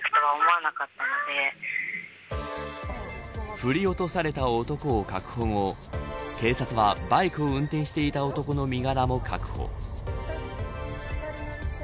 振り下ろされた男を確保後警察はバイクを運転していた男の身柄も確保。